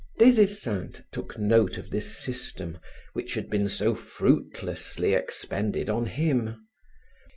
Des Esseintes took note of this system which had been so fruitlessly expended on him.